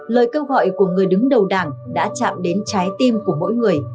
lời kêu gọi của người đứng đầu đảng đã chạm đến trái tim của mỗi người